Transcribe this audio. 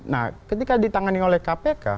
nah ketika ditangani oleh kpk